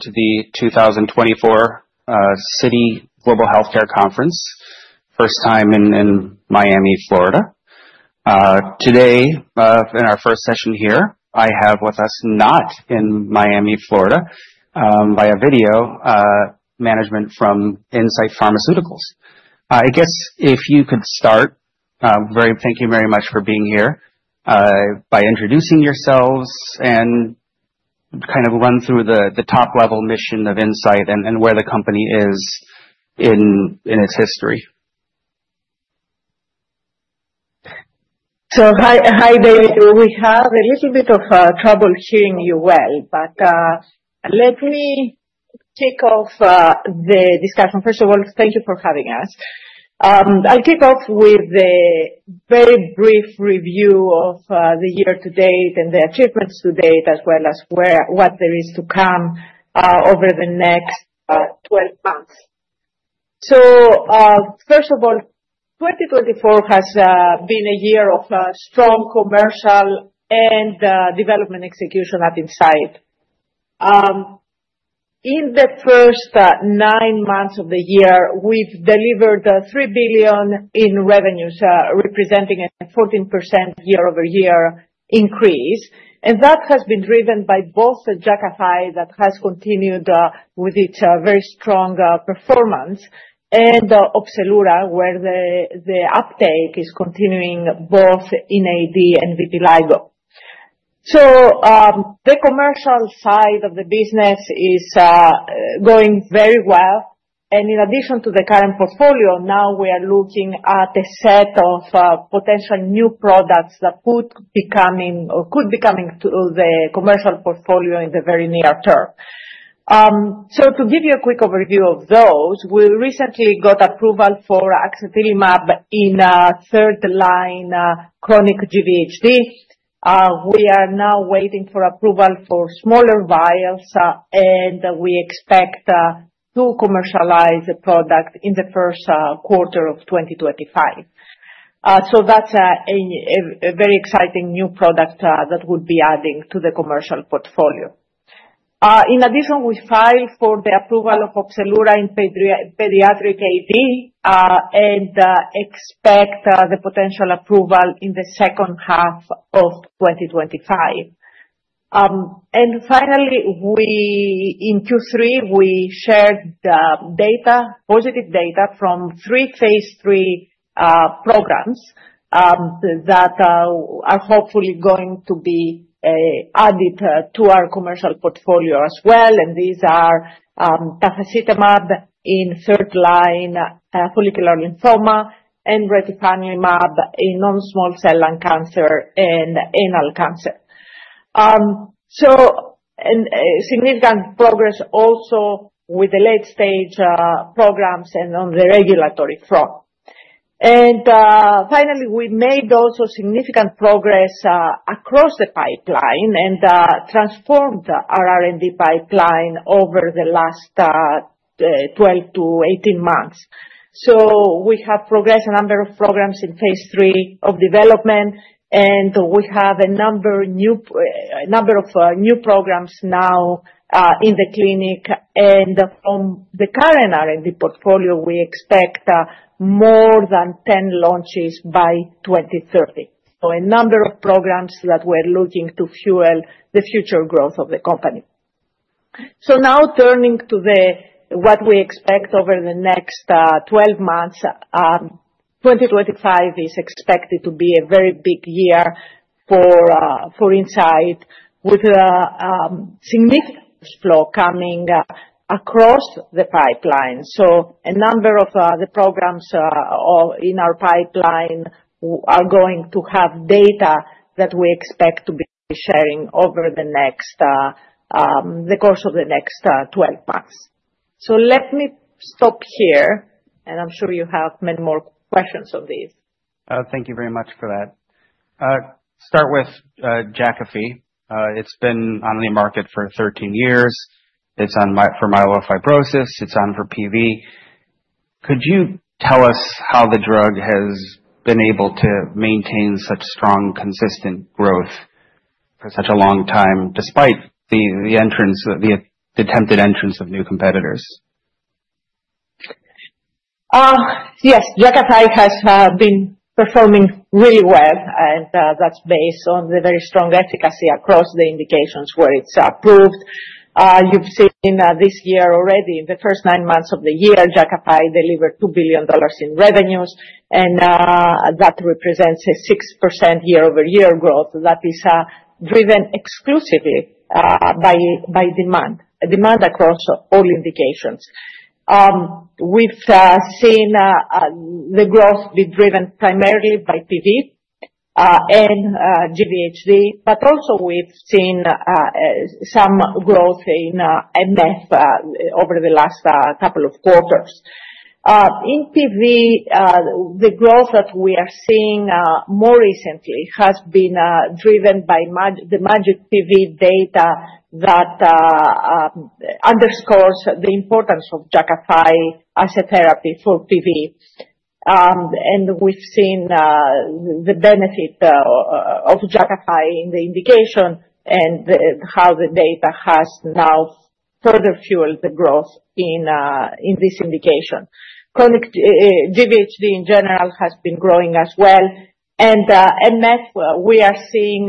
To the 2024 Citi Global Healthcare Conference, first time in Miami, Florida. Today, in our first session here, I have with us, not in Miami, Florida, via video, management from Incyte. I guess if you could start, thank you very much for being here, by introducing yourselves and kind of run through the top-level mission of Incyte and where the company is in its history. Hi, David. We have a little bit of trouble hearing you well, but let me kick off the discussion. First of all, thank you for having us. I'll kick off with a very brief review of the year to date and the achievements to date, as well as what there is to come over the next 12 months. First of all, 2024 has been a year of strong commercial and development execution at Incyte. In the first nine months of the year, we've delivered $3 billion in revenues, representing a 14% year-over-year increase. And that has been driven by both Jakafi, that has continued with its very strong performance, and Opzelura, where the uptake is continuing both in AD and vitiligo. The commercial side of the business is going very well. And in addition to the current portfolio, now we are looking at a set of potential new products that could be coming to the commercial portfolio in the very near term. So to give you a quick overview of those, we recently got approval for Niktimvo in third-line chronic GVHD. We are now waiting for approval for smaller vials, and we expect to commercialize the product in the first quarter of 2025. So that's a very exciting new product that we'll be adding to the commercial portfolio. In addition, we filed for the approval of Opzelura in pediatric AD and expect the potential approval in the second half of 2025. And finally, in Q3, we shared positive data from three phase III programs that are hopefully going to be added to our commercial portfolio as well. And these are tafasitamab in third-line follicular lymphoma and retifanlimab in non-small cell lung cancer and anal cancer. So significant progress also with the late-stage programs and on the regulatory front. And finally, we made also significant progress across the pipeline and transformed our R&D pipeline over the last 12 to 18 months. So we have progressed a number of programs in phase III of development, and we have a number of new programs now in the clinic. And from the current R&D portfolio, we expect more than 10 launches by 2030. So a number of programs that we're looking to fuel the future growth of the company. So now turning to what we expect over the next 12 months, 2025 is expected to be a very big year for Incyte, with significant flow coming across the pipeline. So a number of the programs in our pipeline are going to have data that we expect to be sharing over the course of the next 12 months. So let me stop here, and I'm sure you have many more questions on this. Thank you very much for that. Start with Jakafi. It's been on the market for 13 years. It's on for myelofibrosis. It's on for PV. Could you tell us how the drug has been able to maintain such strong, consistent growth for such a long time, despite the attempted entrance of new competitors? Yes, Jakafi has been performing really well, and that's based on the very strong efficacy across the indications where it's approved. You've seen this year already, in the first nine months of the year, Jakafi delivered $2 billion in revenues, and that represents a 6% year-over-year growth that is driven exclusively by demand, demand across all indications. We've seen the growth be driven primarily by PV and GVHD, but also we've seen some growth in MF over the last couple of quarters. In PV, the growth that we are seeing more recently has been driven by the MAJIC-PV data that underscores the importance of Jakafi as a therapy for PV, and we've seen the benefit of Jakafi in the indication and how the data has now further fueled the growth in this indication. GVHD, in general, has been growing as well. MF, we are seeing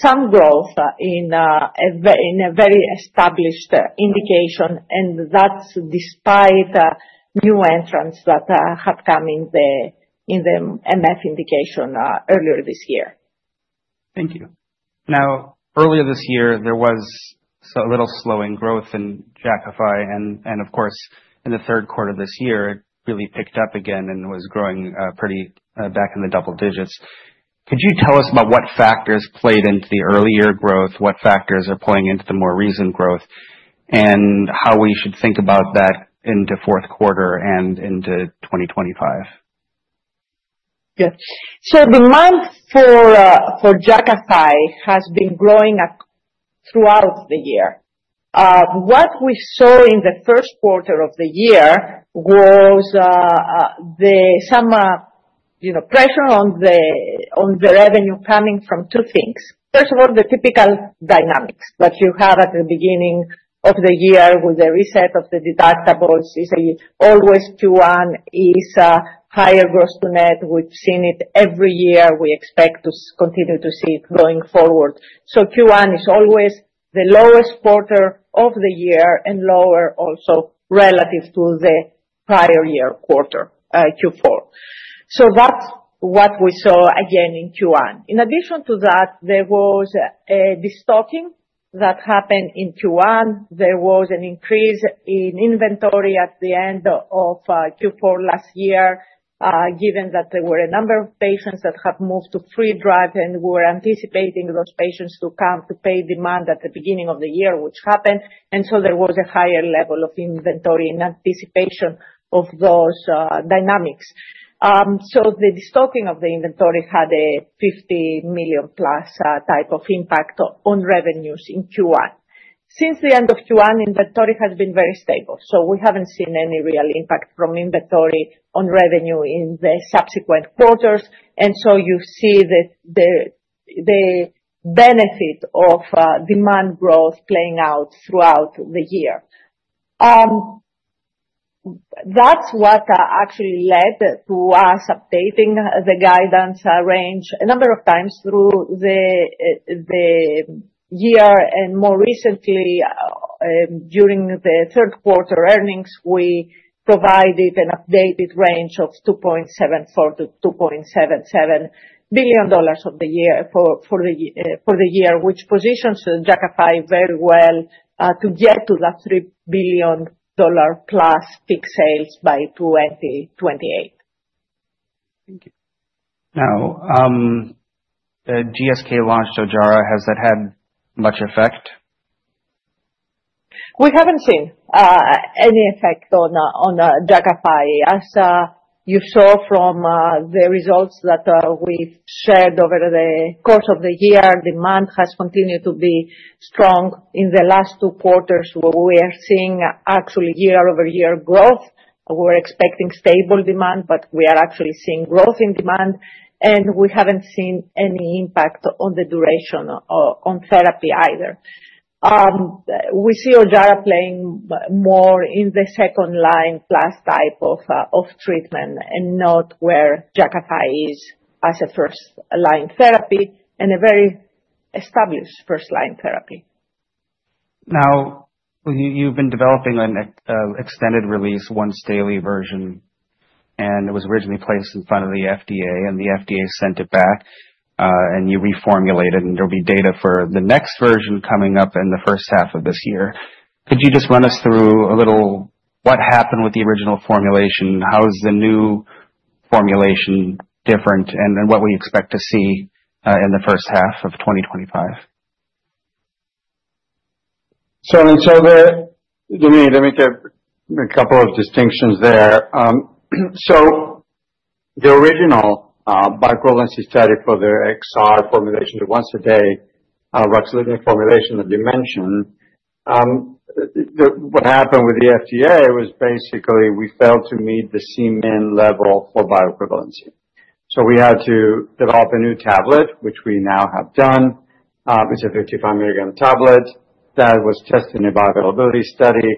some growth in a very established indication, and that's despite new entrants that have come in the MF indication earlier this year. Thank you. Now, earlier this year, there was a little slowing growth in Jakafi, and of course, in the third quarter of this year, it really picked up again and was growing pretty brisk in the double digits. Could you tell us about what factors played into the earlier growth, what factors are playing into the more recent growth, and how we should think about that into fourth quarter and into 2025? Yeah. So demand for Jakafi has been growing throughout the year. What we saw in the first quarter of the year was some pressure on the revenue coming from two things. First of all, the typical dynamics that you have at the beginning of the year with the reset of the deductibles is always Q1 is higher gross to net. We've seen it every year. We expect to continue to see it going forward. So Q1 is always the lowest quarter of the year and lower also relative to the prior year quarter, Q4. So that's what we saw again in Q1. In addition to that, there was a restocking that happened in Q1. There was an increase in inventory at the end of Q4 last year, given that there were a number of patients that have moved to free drugs, and we were anticipating those patients to come to pay demand at the beginning of the year, which happened, and so there was a higher level of inventory in anticipation of those dynamics, so the restocking of the inventory had a $50 million-plus type of impact on revenues in Q1. Since the end of Q1, inventory has been very stable, so we haven't seen any real impact from inventory on revenue in the subsequent quarters, and so you see the benefit of demand growth playing out throughout the year. That's what actually led to us updating the guidance range a number of times through the year. More recently, during the third quarter earnings, we provided an updated range of $2.74-$2.77 billion for the year, which positions Jakafi very well to get to that $3 billion-plus peak sales by 2028. Thank you. Now, GSK launched Ojjaara. Has that had much effect? We haven't seen any effect on Jakafi. As you saw from the results that we've shared over the course of the year, demand has continued to be strong. In the last two quarters, we are seeing actually year-over-year growth. We were expecting stable demand, but we are actually seeing growth in demand. And we haven't seen any impact on the duration on therapy either. We see Ojjaara playing more in the second-line-plus type of treatment and not where Jakafi is as a first-line therapy and a very established first-line therapy. Now, you've been developing an extended release, once-daily version, and it was originally placed in front of the FDA, and the FDA sent it back, and you reformulated, and there'll be data for the next version coming up in the first half of this year. Could you just run us through a little what happened with the original formulation? How is the new formulation different, and what we expect to see in the first half of 2025? So let me get a couple of distinctions there. So the original povorcitinib for the XR formulation, the once-a-day ruxolitinib formulation that you mentioned, what happened with the FDA was basically we failed to meet the Cmin level for bioequivalence, so we had to develop a new tablet, which we now have done. It's a 55-milligram tablet that was tested in a bioavailability study,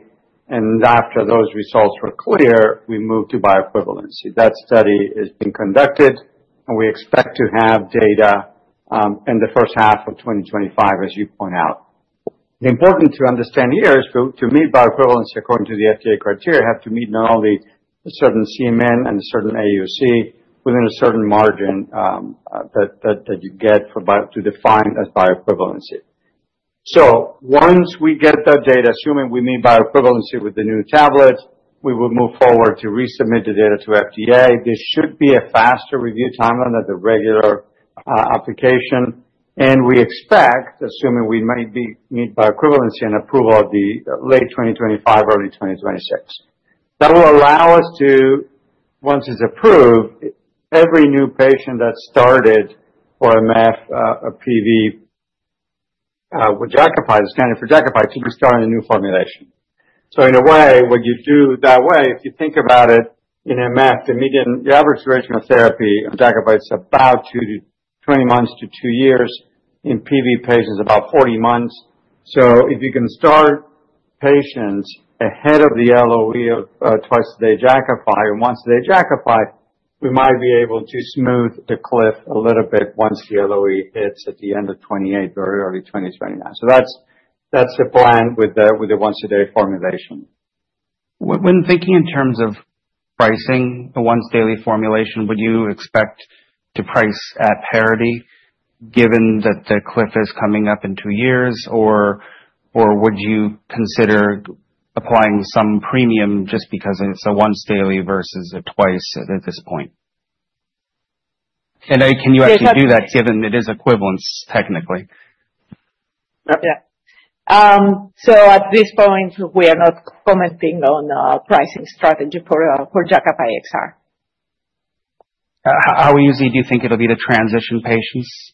and after those results were clear, we moved to bioequivalence. That study is being conducted, and we expect to have data in the first half of 2025, as you point out. The important to understand here is to meet bioequivalence according to the FDA criteria, have to meet not only a certain Cmin and a certain AUC within a certain margin that you get to define as bioequivalence. Once we get that data, assuming we meet bioequivalence with the new tablet, we will move forward to resubmit the data to FDA. This should be a faster review timeline than the regular application. We expect, assuming we might meet bioequivalence and approval at the late 2025, early 2026. That will allow us to, once it's approved, every new patient that started for MF, PV, with Jakafi, the standard for Jakafi, to be starting a new formulation. In a way, what you do that way, if you think about it in MF, the average duration of therapy on Jakafi is about two to 20 months to two years. In PV patients, about 40 months. So if you can start patients ahead of the LOE of twice-a-day Jakafi or once-a-day Jakafi, we might be able to smooth the cliff a little bit once the LOE hits at the end of 2028, very early 2029. So that's the plan with the once-a-day formulation. When thinking in terms of pricing, the once-daily formulation, would you expect to price at parity given that the cliff is coming up in two years, or would you consider applying some premium just because it's a once-daily versus a twice at this point? And can you actually do that given it is bioequivalence technically? Yeah. So at this point, we are not commenting on a pricing strategy for Jakafi XR. How easy do you think it'll be to transition patients?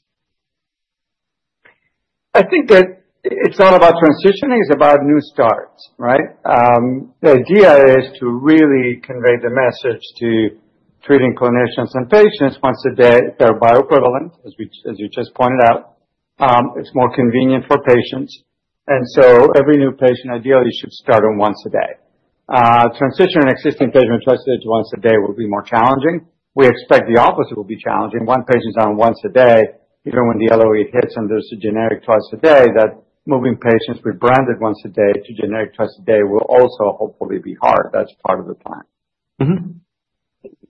I think it's not about transitioning. It's about new starts, right? The idea is to really convey the message to treating clinicians and patients once a day. They're bioequivalent, as you just pointed out. It's more convenient for patients. And so every new patient, ideally, should start on once-a-day. Transitioning an existing patient to twice-a-day to once-a-day will be more challenging. We expect the opposite will be challenging. One patient's on once-a-day, even when the LOE hits and there's a generic twice-a-day, that moving patients rebranded once-a-day to generic twice-a-day will also hopefully be hard. That's part of the plan.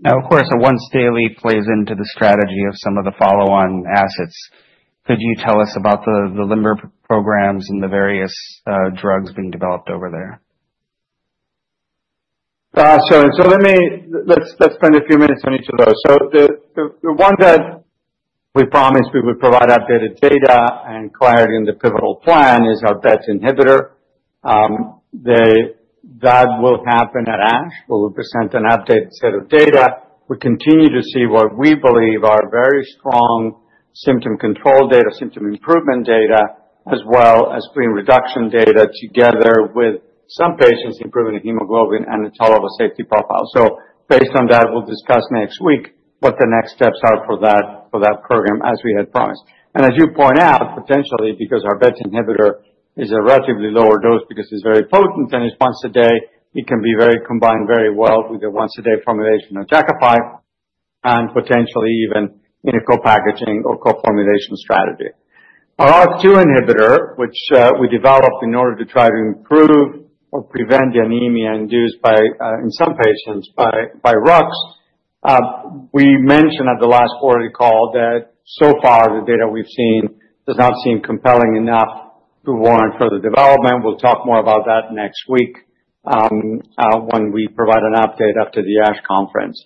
Now, of course, a once-a-day leap plays into the strategy of some of the follow-on assets. Could you tell us about the LIMBER programs and the various drugs being developed over there? So let's spend a few minutes on each of those. So the one that we promised we would provide updated data and clarity in the pivotal plan is our BET inhibitor. That will happen at ASH. We will present an updated set of data. We continue to see what we believe are very strong symptom control data, symptom improvement data, as well as pain reduction data together with some patients improving hemoglobin and a tolerable safety profile. So based on that, we'll discuss next week what the next steps are for that program, as we had promised. And as you point out, potentially, because our BET inhibitor is a relatively lower dose because it's very potent and it's once-a-day, it can be combined very well with the once-a-day formulation of Jakafi and potentially even in a co-packaging or co-formulation strategy. Our ALK2 inhibitor, which we developed in order to try to improve or prevent the anemia induced by, in some patients, by rux, we mentioned at the last quarterly call that so far, the data we've seen does not seem compelling enough to warrant further development. We'll talk more about that next week when we provide an update after the ASH conference.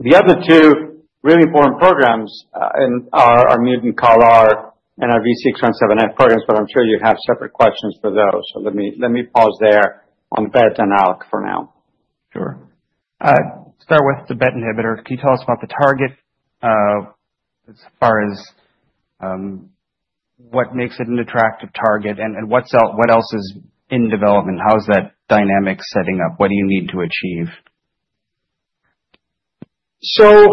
The other two really important programs are Mutant CALR and our V617F programs, but I'm sure you have separate questions for those. So let me pause there on BET and ALK for now. Sure. To start with the BET inhibitor, can you tell us about the target as far as what makes it an attractive target and what else is in development? How is that dynamic setting up? What do you need to achieve? So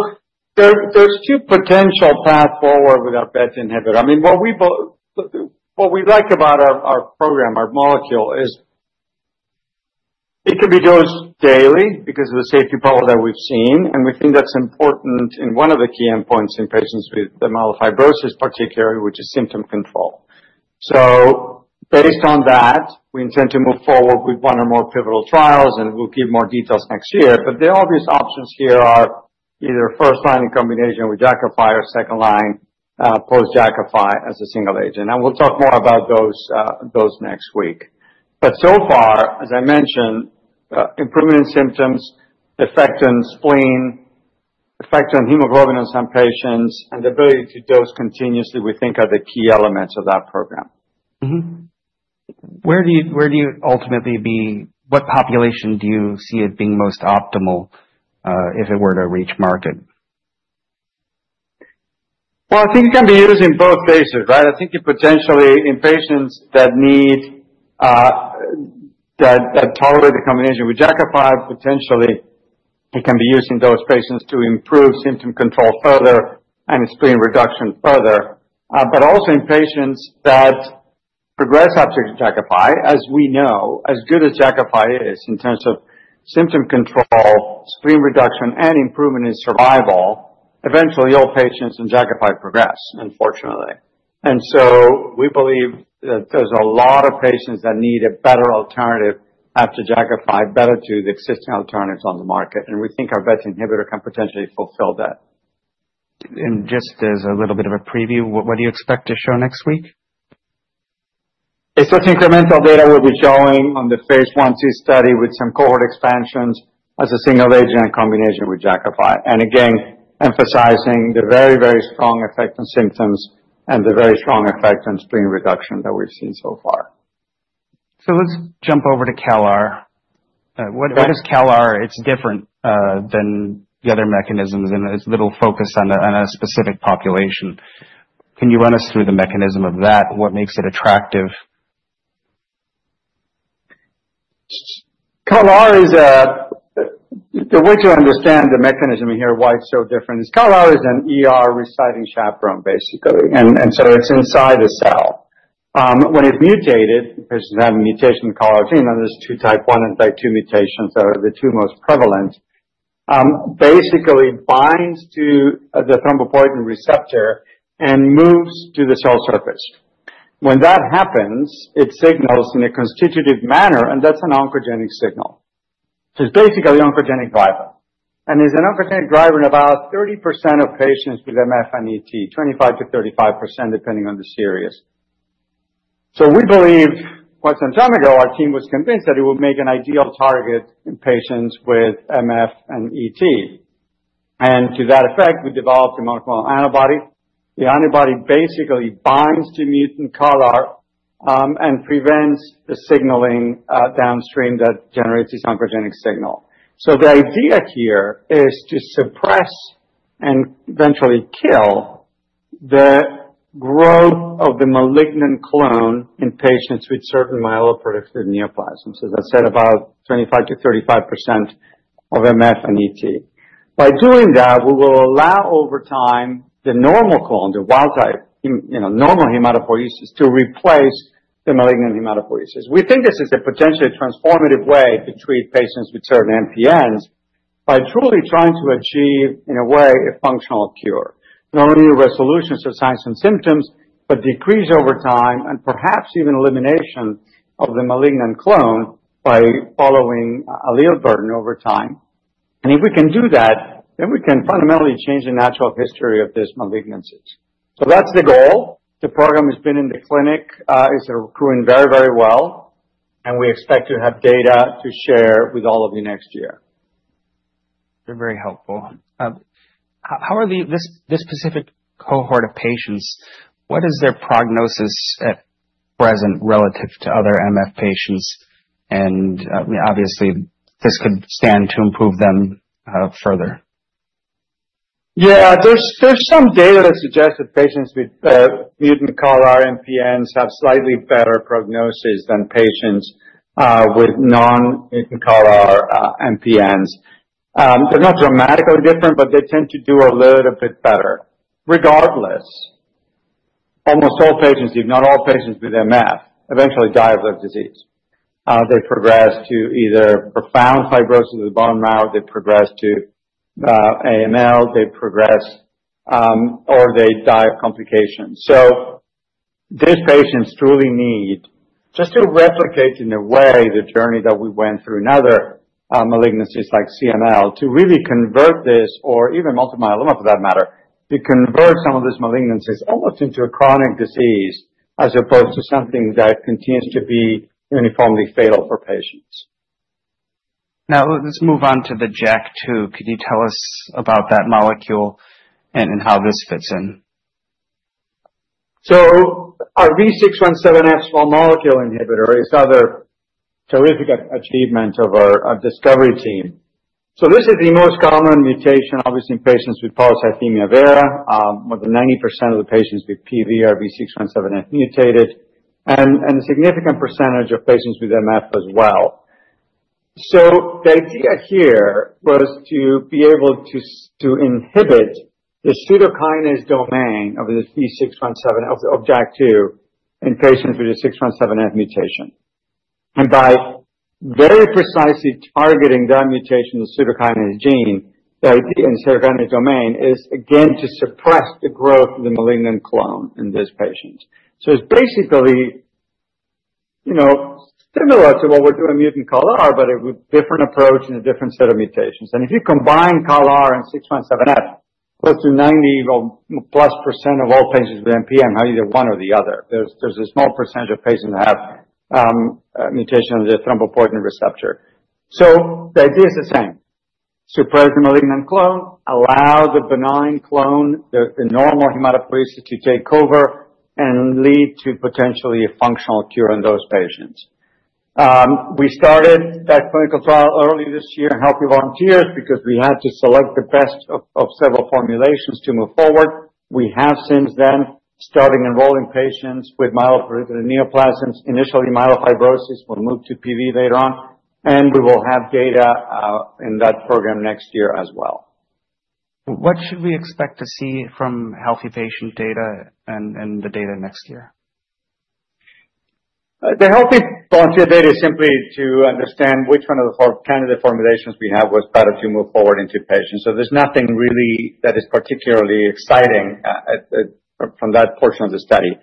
there's two potential paths forward with our BET inhibitor. I mean, what we like about our program, our molecule, is it can be dosed daily because of the safety problem that we've seen. And we think that's important in one of the key endpoints in patients with the myelofibrosis, particularly, which is symptom control. So based on that, we intend to move forward with one or more pivotal trials, and we'll give more details next year. But the obvious options here are either first-line in combination with Jakafi or second-line post-Jakafi as a single agent. And we'll talk more about those next week. But so far, as I mentioned, improvement in symptoms, effect on spleen, effect on hemoglobin in some patients, and the ability to dose continuously, we think, are the key elements of that program. Where do you ultimately see it? What population do you see it being most optimal if it were to reach market? I think it can be used in both cases, right? I think it potentially, in patients that tolerate the combination with Jakafi, potentially, it can be used in those patients to improve symptom control further and spleen reduction further. But also in patients that progress up to Jakafi, as we know, as good as Jakafi is in terms of symptom control, spleen reduction, and improvement in survival, eventually, all patients in Jakafi progress, unfortunately. And so we believe that there's a lot of patients that need a better alternative after Jakafi, better to the existing alternatives on the market. And we think our BET inhibitor can potentially fulfill that. Just as a little bit of a preview, what do you expect to show next week? It's just incremental data we'll be showing on the phase 1/2 study with some cohort expansions as a single agent in combination with Jakafi, and again, emphasizing the very, very strong effect on symptoms and the very strong effect on spleen reduction that we've seen so far. So let's jump over to CALR. What is CALR? It's different than the other mechanisms, and it's a little focused on a specific population. Can you run us through the mechanism of that? What makes it attractive? The way to understand the mechanism here, why it's so different, is CALR is a resident chaperone, basically. It's inside the cell. When it's mutated, patients have a mutation in CALR gene. There's two type 1 and type 2 mutations that are the two most prevalent. Basically, it binds to the thrombopoietin receptor and moves to the cell surface. When that happens, it signals in a constitutive manner, and that's an oncogenic signal. It's basically an oncogenic driver. There's an oncogenic driver in about 30% of patients with MF and ET, 25%-35%, depending on the series. We believed quite some time ago, our team was convinced that it would make an ideal target in patients with MF and ET. To that effect, we developed a monoclonal antibody. The antibody basically binds to mutant CALR and prevents the signaling downstream that generates this oncogenic signal. So the idea here is to suppress and eventually kill the growth of the malignant clone in patients with certain myeloproliferative neoplasms, as I said, about 25%-35% of MF and ET. By doing that, we will allow over time the normal clone, the wild-type normal hematopoiesis to replace the malignant hematopoiesis. We think this is a potentially transformative way to treat patients with certain MPNs by truly trying to achieve, in a way, a functional cure, not only resolutions of signs and symptoms, but decrease over time and perhaps even elimination of the malignant clone by following an allele burden over time. And if we can do that, then we can fundamentally change the natural history of these malignancies. So that's the goal. The program has been in the clinic, is accruing very, very well, and we expect to have data to share with all of you next year. You're very helpful. This specific cohort of patients, what is their prognosis at present relative to other MF patients? And obviously, this could stand to improve them further. Yeah, there's some data that suggests that patients with mutant CALR MPNs have slightly better prognosis than patients with non-mutant CALR MPNs. They're not dramatically different, but they tend to do a little bit better. Regardless, almost all patients, if not all patients with MF, eventually die of the disease. They progress to either profound fibrosis of the bone marrow, they progress to AML, they progress, or they die of complications. So these patients truly need just to replicate in a way the journey that we went through in other malignancies like CML to really convert this or even multiple myeloma for that matter, to convert some of these malignancies almost into a chronic disease as opposed to something that continues to be uniformly fatal for patients. Now, let's move on to the JAK2. Could you tell us about that molecule and how this fits in? Our V617F small molecule inhibitor is another terrific achievement of our discovery team. This is the most common mutation, obviously, in patients with polycythemia vera. More than 90% of the patients with PV are V617F mutated, and a significant percentage of patients with MF as well. The idea here was to be able to inhibit the pseudokinase domain of the V617F of JAK2 in patients with the V617F mutation. By very precisely targeting that mutation, the pseudokinase gene, the pseudokinase domain is again to suppress the growth of the malignant clone in these patients. It's basically similar to what we're doing with mutant CALR, but with a different approach and a different set of mutations. If you combine CALR and V617F, close to 90+% of all patients with MPN have either one or the other. There's a small percentage of patients that have mutation of the thrombopoietin receptor. So the idea is the same. Suppress the malignant clone, allow the benign clone, the normal hematopoiesis to take over, and lead to potentially a functional cure in those patients. We started that clinical trial early this year in healthy volunteers because we had to select the best of several formulations to move forward. We have since then started enrolling patients with myeloproliferative neoplasms, initially myelofibrosis. We'll move to PV later on. And we will have data in that program next year as well. What should we expect to see from healthy patient data and the data next year? The healthy volunteer data is simply to understand which one of the candidate formulations we have was better to move forward into patients. So there's nothing really that is particularly exciting from that portion of the study.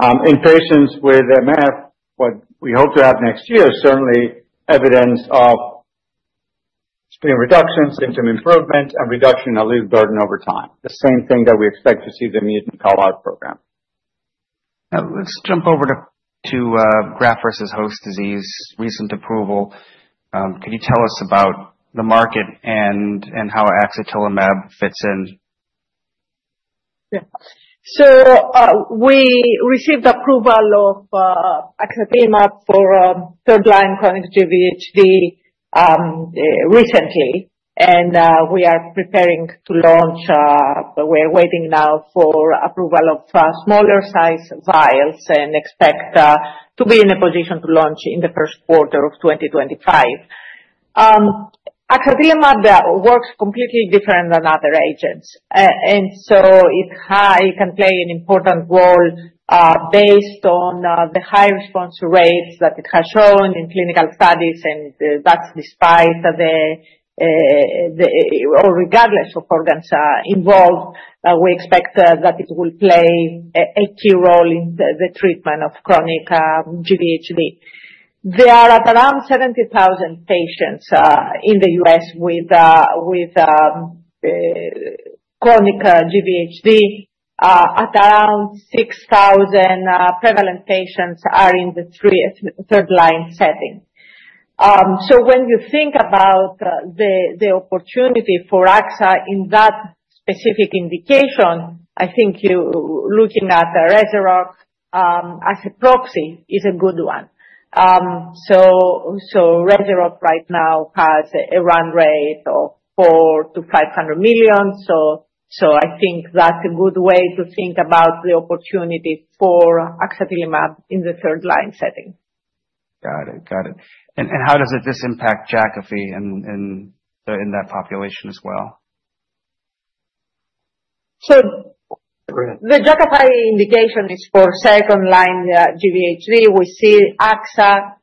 In patients with MF, what we hope to have next year is certainly evidence of spleen reduction, symptom improvement, and reduction in allele burden over time. The same thing that we expect to see in the mutant CALR program. Let's jump over to graft versus host disease, recent approval. Could you tell us about the market and how axatilimab fits in? Yeah. So we received approval of axatilimab for third-line chronic GVHD recently. And we are preparing to launch. We're waiting now for approval of smaller-sized vials and expect to be in a position to launch in the first quarter of 2025. axatilimab works completely different than other agents. And so it can play an important role based on the high response rates that it has shown in clinical studies. And that's despite the, or regardless of organs involved, we expect that it will play a key role in the treatment of chronic GVHD. There are around 70,000 patients in the U.S. with chronic GVHD. At around 6,000 prevalent patients are in the third-line setting. So when you think about the opportunity for AXA in that specific indication, I think looking at Rezuroc as a proxy is a good one. Rezuroc right now has a run rate of $400 million-$500 million. I think that's a good way to think about the opportunity for axatilimab in the third-line setting. Got it. Got it. And how does this impact Jakafi in that population as well? So the Jakafi indication is for second-line GVHD. We see axatilimab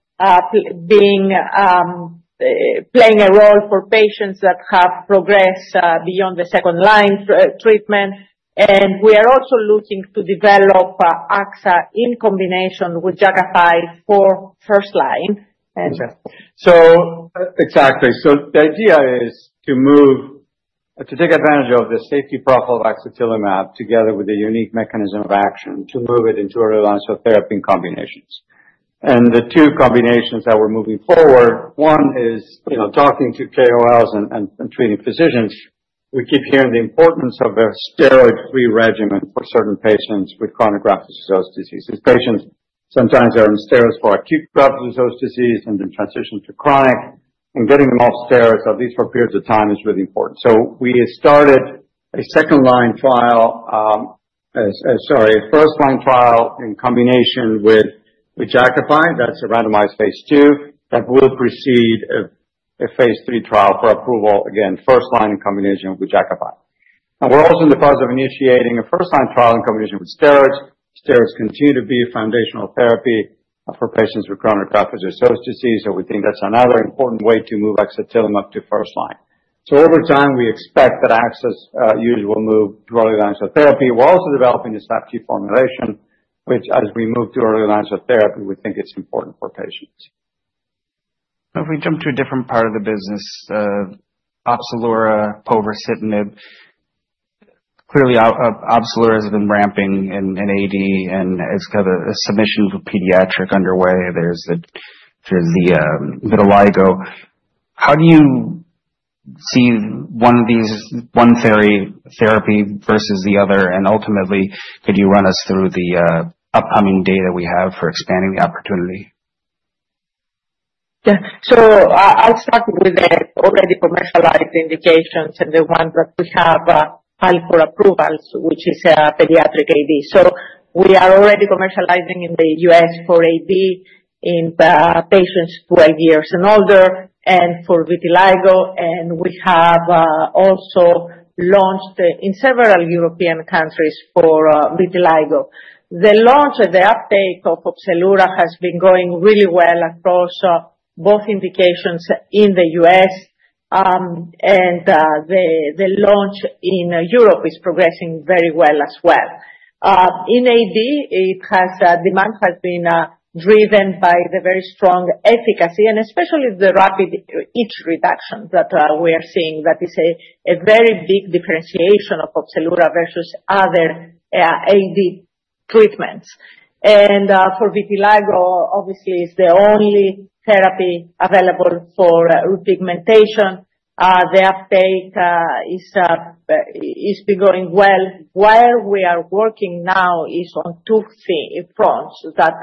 playing a role for patients that have progressed beyond the second-line treatment. And we are also looking to develop axatilimab in combination with Jakafi for first-line. So exactly. The idea is to take advantage of the safety profile of axatilimab together with a unique mechanism of action to move it into early-onset therapy in combinations. The two combinations that we're moving forward, one is talking to KOLs and treating physicians. We keep hearing the importance of a steroid-free regimen for certain patients with chronic graft-versus-host disease. Patients sometimes are on steroids for acute graft-versus-host disease and then transition to chronic. Getting them off steroids, at least for periods of time, is really important. We started a second-line trial, sorry, a first-line trial in combination with Jakafi. That's a randomized phase II. That will precede a phase III trial for approval, again, first-line in combination with Jakafi. We're also in the process of initiating a first-line trial in combination with steroids. Steroids continue to be foundational therapy for patients with chronic graft-versus-host disease. So we think that's another important way to move axatilimab to first-line. So over time, we expect that AXA's use will move to early-onset therapy. We're also developing a Sub-Q formulation, which, as we move to early-onset therapy, we think it's important for patients. If we jump to a different part of the business, Opzelura, povorcitinib. Clearly, Opzelura has been ramping in AD, and it's got a submission for pediatric underway. There's the vitiligo. How do you see one therapy versus the other? And ultimately, could you run us through the upcoming data we have for expanding the opportunity? Yeah. So I'll start with the already commercialized indications and the ones that we have had for approvals, which is pediatric AD. So we are already commercializing in the U.S. for AD in patients 12 years and older and for vitiligo. And we have also launched in several European countries for vitiligo. The launch and the uptake of Opzelura has been going really well across both indications in the U.S., and the launch in Europe is progressing very well as well. In AD, the demand has been driven by the very strong efficacy and especially the rapid itch reduction that we are seeing. That is a very big differentiation of Opzelura versus other AD treatments. And for vitiligo, obviously, it's the only therapy available for pigmentation. The uptake has been going well. Where we are working now is on two fronts that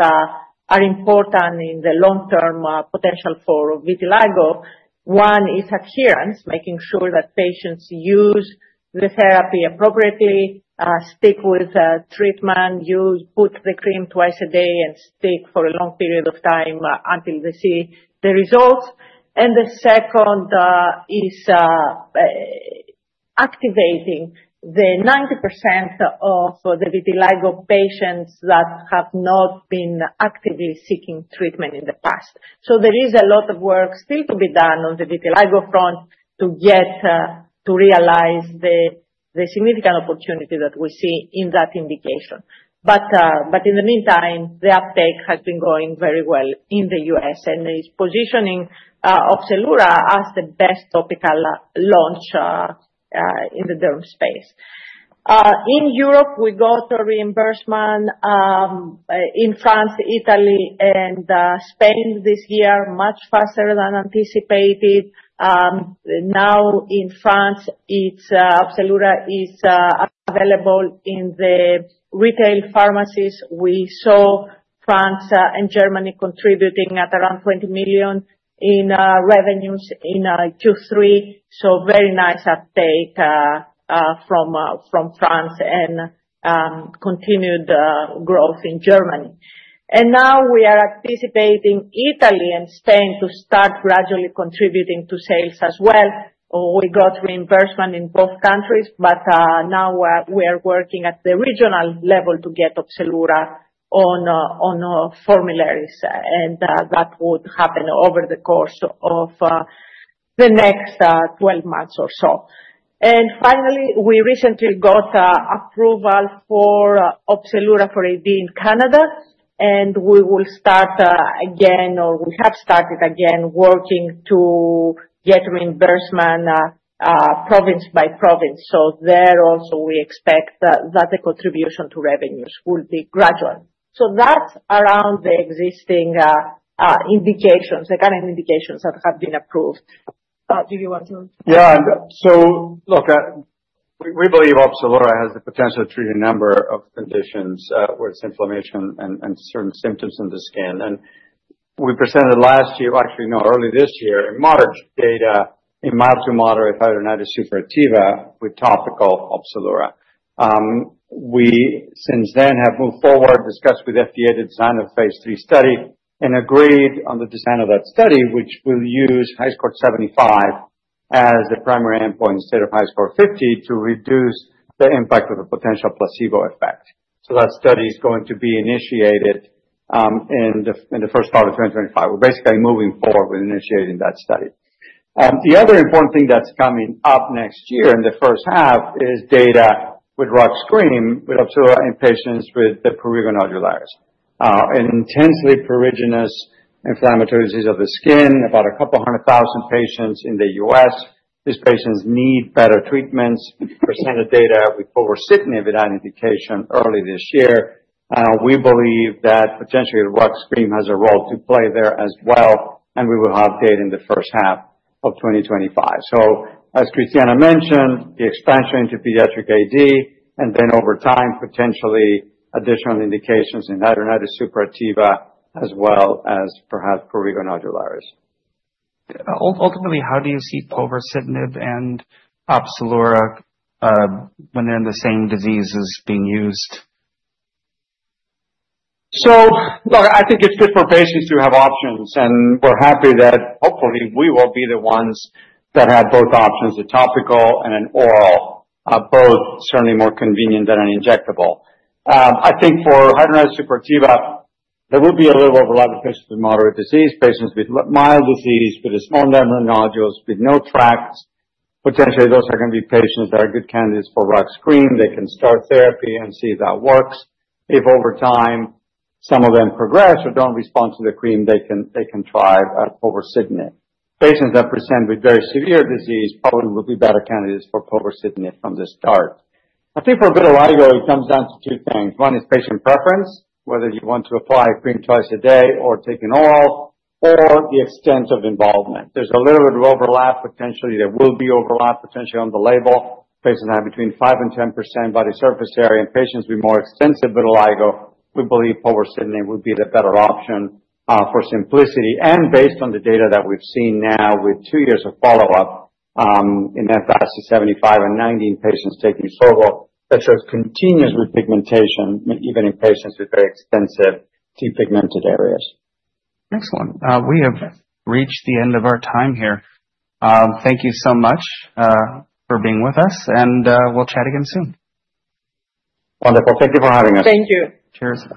are important in the long-term potential for vitiligo. One is adherence, making sure that patients use the therapy appropriately, stick with treatment, put the cream twice a day, and stick for a long period of time until they see the results, and the second is activating the 90% of the vitiligo patients that have not been actively seeking treatment in the past, so there is a lot of work still to be done on the vitiligo front to realize the significant opportunity that we see in that indication, but in the meantime, the uptake has been going very well in the U.S., and it's positioning Opzelura as the best topical launch in the derm space. In Europe, we got a reimbursement, in France, Italy, and Spain this year, much faster than anticipated. Now in France, Opzelura is available in the retail pharmacies. We saw France and Germany contributing at around $20 million in revenues in Q3. So very nice uptake from France and continued growth in Germany. And now we are anticipating Italy and Spain to start gradually contributing to sales as well. We got reimbursement in both countries, but now we are working at the regional level to get Opzelura on formularies. And that would happen over the course of the next 12 months or so. And finally, we recently got approval for Opzelura for AD in Canada, and we will start again, or we have started again, working to get reimbursement province by province. So there also, we expect that the contribution to revenues will be gradual. So that's around the existing indications, the current indications that have been approved. Do you want to? Yeah, so look, we believe Opzelura has the potential to treat a number of conditions where it's inflammation and certain symptoms in the skin, and we presented last year, actually, no, early this year, in March, data in mild to moderate hidradenitis suppurativa with topical Opzelura. We since then have moved forward, discussed with FDA the design of the phase III study, and agreed on the design of that study, which will use HiSCR 75 as the primary endpoint instead of HiSCR 50 to reduce the impact of the potential placebo effect, so that study is going to be initiated in the first part of 2025. We're basically moving forward with initiating that study. The other important thing that's coming up next year in the first half is data with rux cream with Opzelura in patients with the prurigo nodularis, an intensely pruriginous inflammatory disease of the skin, about a couple of hundred thousand patients in the U.S. These patients need better treatments. We presented data with povorcitinib in that indication early this year. We believe that potentially rux cream has a role to play there as well, and we will have data in the first half of 2025. So as Christiana mentioned, the expansion into pediatric AD, and then over time, potentially additional indications in hidradenitis suppurativa as well as perhaps prurigo nodularis. Ultimately, how do you see povorcitinib and Opzelura when they're in the same diseases being used? So look, I think it's good for patients to have options. And we're happy that hopefully we will be the ones that have both options, a topical and an oral, both certainly more convenient than an injectable. I think for hidradenitis suppurativa, there will be a little overlap with patients with moderate disease, patients with mild disease with a small number of nodules with no tracts. Potentially, those are going to be patients that are good candidates for Opzelura. They can start therapy and see if that works. If over time, some of them progress or don't respond to the cream, they can try povorcitinib. Patients that present with very severe disease probably will be better candidates for povorcitinib from the start. I think for vitiligo, it comes down to two things. One is patient preference, whether you want to apply a cream twice a day or take an oral, or the extent of involvement. There's a little bit of overlap potentially. There will be overlap potentially on the label. Patients have between 5% and 10% body surface area. And patients with more extensive vitiligo, we believe povorcitinib would be the better option for simplicity. And based on the data that we've seen now with two years of follow-up in F-VASI 75 and 90 in patients taking Opzelura, that shows continuous repigmentation even in patients with very extensive depigmented areas. Excellent. We have reached the end of our time here. Thank you so much for being with us, and we'll chat again soon. Wonderful. Thank you for having us. Thank you. Cheers.